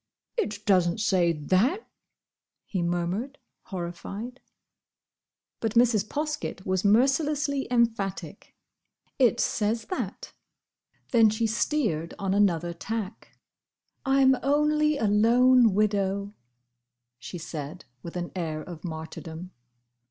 "It doesn't say that!" he murmured, horrified. But Mrs. Poskett was mercilessly emphatic. "It says that." Then she steered on another tack. "I 'm only a lone widow," she said, with an air of martyrdom.